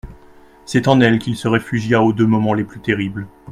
C'est en elle qu'il se réfugia aux deux moments les plus terribles.